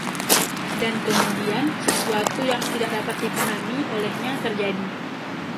Dan kemudian sesuatu yang tidak dapat dipahami olehnya terjadi.